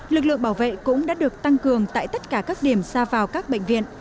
lực lượng bảo vệ cũng đã được tăng cường tại tất cả các điểm xa vào các bệnh viện